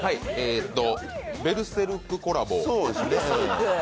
「ベルセルク」コラボですね。